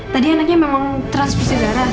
tadi anaknya memang transfusi darah